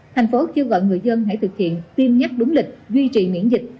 thành phố kêu gọi người dân hãy thực hiện tiêm nhắc đúng lịch duy trì miễn dịch